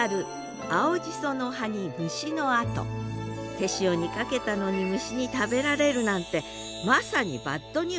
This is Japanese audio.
手塩にかけたのに虫に食べられるなんてまさにバッドニュース。